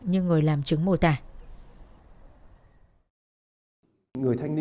như người làm chứng mô tả